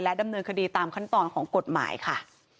ดำเนินคดีตามขั้นตอนของกฎหมายค่ะ